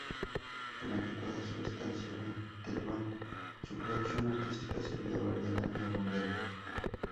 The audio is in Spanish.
Durante toda su estancia en Tetuán, su producción artística sería variada y abundante.